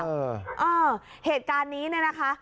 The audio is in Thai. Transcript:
เออเหตุการณ์นี้นะคะ